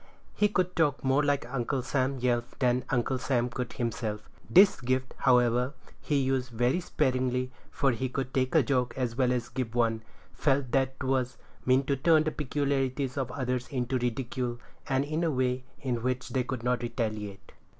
He could talk more like Uncle Sam Yelf than Uncle Sam could himself. This gift, however, he used very sparingly, for he could take a joke as well as give one; felt that 'twas mean to turn the peculiarities of others into ridicule, and in a way in which they could not retaliate.